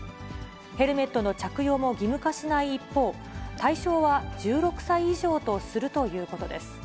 ヘルメットの着用も義務化しない一方、対象は１６歳以上とするということです。